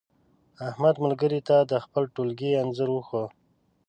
احمد ملګري ته د خپل ټولگي انځور وښود.